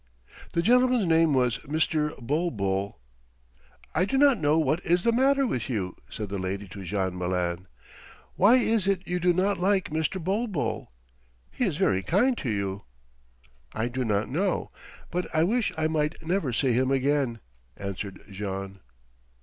The gentleman's name was Mr. Bulbul. "I do not know what is the matter with you," said the lady to Jean Malin. "Why is it you do not like Mr. Bulbul? He is very kind to you." "I do not know, but I wish I might never see him again," answered Jean.